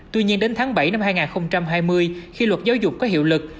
tuy nhiên đến tháng bảy năm hai nghìn hai mươi khi luật giáo dục có hiệu lực